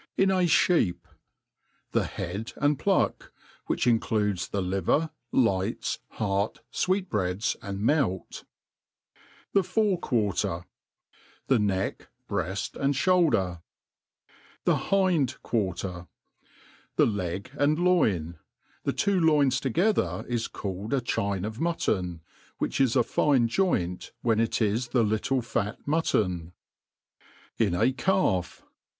In a Sbitp* THE head and pluck; which includes the liver, lights^ heart, fweetbreadsy and melt. The Fore'^uarter. The neck, breaft, and (boulder, ne Hind'^arter, THE leg and loin. The two loins together is called a chine of mutton, which is a fine joint when it is the little fat muttpn. In a Calf.